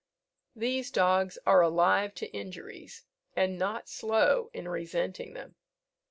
These dogs are alive to injuries, and not slow in resenting them.